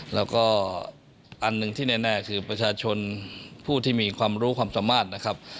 แล้วก็อันหนึ่งที่แน่คือประชาชนผู้ที่มีความรู้ความสามารถนะครับ